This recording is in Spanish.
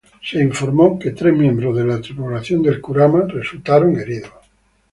Se informó de tres miembros de la tripulación Kurama resultaron heridos.